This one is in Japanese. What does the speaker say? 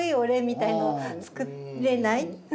みたいの作れない。